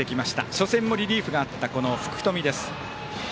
初戦もリリーフがあった福冨です。